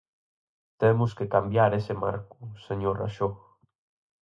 Temos que cambiar ese marco, señor Raxó.